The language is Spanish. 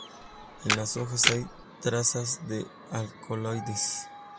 En las hojas hay trazas de alcaloides.